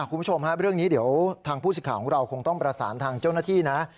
คุณผู้ชมฮะเรื่องนี้เดี๋ยวทางผู้สิทธิ์ของเราคงต้องประสานทางเจ้าหน้าที่นะ